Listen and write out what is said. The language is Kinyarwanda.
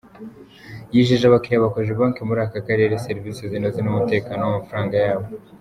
Yijeje abakiliya ba Cogebanque muri aka karere serivisi zinoze n’umutekano w’amafaranga yabo.